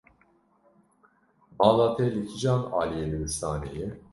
Mala te li kîjan aliyê dibistanê ye?